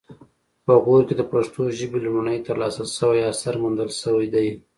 په غور کې د پښتو ژبې لومړنی ترلاسه شوی اثر موندل شوی دی